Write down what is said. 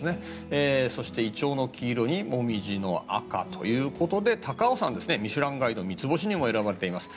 そして、イチョウの黄色にモミジの赤ということで高尾山、「ミシュランガイド」３つ星にも選ばれています。